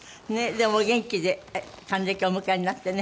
でもお元気で還暦をお迎えになってね